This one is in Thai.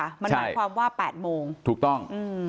มันเหมือนความว่า๘โมงอืมใช่ถูกต้อง